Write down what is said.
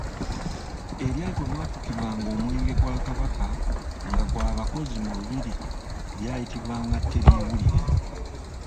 Eryato omwafukwanga omwenge gwa Kabaka nga gwa bakozi mu lubiri lyayitibwanga teriwulire.